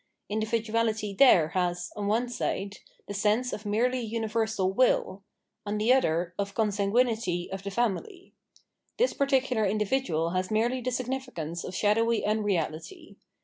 Individuality there has, on one side, the sense of merely universal will, on the other, of consanguinity of the family. This particular individual has merely the signifi cance of shadowy unreality.